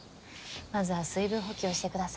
まずは水分補給をしてください。